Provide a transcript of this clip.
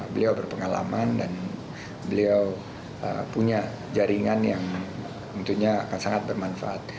beliau berpengalaman dan beliau punya jaringan yang tentunya akan sangat bermanfaat